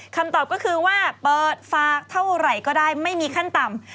คำตอบก็คือว่าเปิดฝากเท่าไหร่ก็ได้ไม่มีขั้นต่ำ